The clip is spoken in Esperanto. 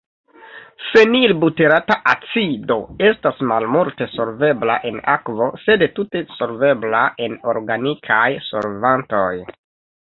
Fenilbuterata acido estas malmulte solvebla en akvo, sed tute solvebla en organikaj solvantoj.